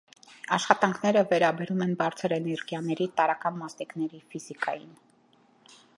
Աշխատանքները վերաբերում են բարձր էներգիաների տարրական մասնիկների ֆիզիկային։